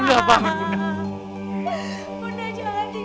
bunda jangan tinggalkan laras